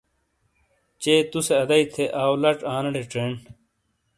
چے تُو سے ادائی تھے آؤ لَچ آنیڑے چینڈ۔